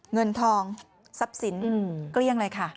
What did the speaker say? เงินทองทรัพย์สินเกลี้ยงเลยค่ะ